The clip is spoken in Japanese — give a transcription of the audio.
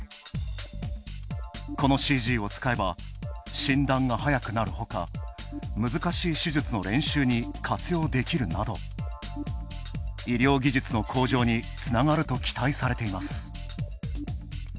このＣＧを使えば、診断が早くなるほか難しい手術の練習に活用できるなど、医療技術の向上につながると期待されています。